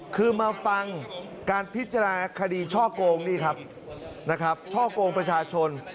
คือมาฟังการพิจารณาคดีช่อโกงนี่ครับนะครับช่อกงประชาชน